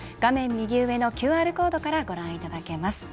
右上のＱＲコードからご覧いただけます。